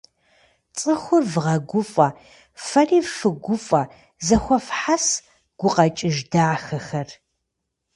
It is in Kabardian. Цӏыхур вгъэгуфӏэ, фэри фыгуфӏэ зэхуэфхьэс гукъэкӏыж дахэхэр.